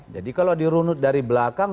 jadi kalau dirunut dari belakang